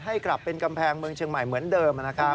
ให้กลับเป็นกำแพงเมืองเชียงใหม่เหมือนเดิมนะครับ